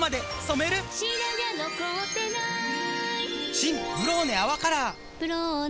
新「ブローネ泡カラー」「ブローネ」